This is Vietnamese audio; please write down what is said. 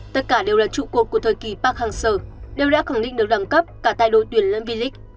tất cả đều là trụ cột của thời kỳ park hang seo đều đã khẳng định được đẳng cấp cả tai đôi tuyển lâm vy lịch